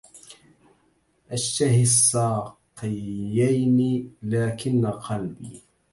أشتهي الساقيين لكن قلبي